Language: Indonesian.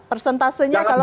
persentasenya kalau kita